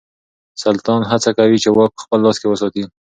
سلطان هڅه کوي چې واک په خپل لاس کې وساتي.